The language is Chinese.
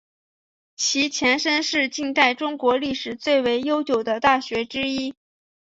其前身是近代中国历史最为悠久的大学之一。